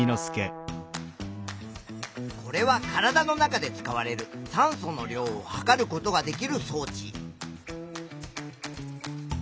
これは体の中で使われる酸素の量を測ることができる装置。